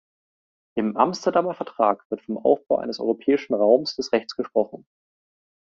Im Amsterdamer Vertrag wird vom Aufbau eines europäischen Raums des Rechts gesprochen.